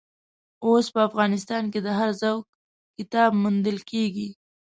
اوس په افغانستان کې د هر ذوق کتاب موندل کېږي.